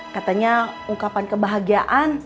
katanya ungkapan kebahagiaan